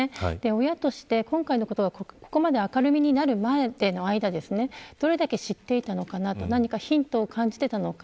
親として今回のことがここまで明るみになる前の間どれだけ知っていたのかなと何かヒントを感じていたのか。